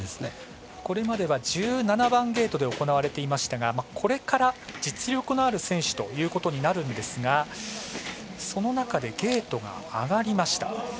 これまでは１７番ゲートで行われていましたがこれから、実力のある選手ということになるんですがその中でゲートが上がりました。